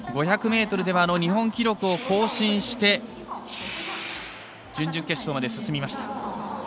５００ｍでは日本記録を更新して準々決勝まで進みました。